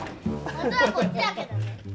本当はこっちだけどね。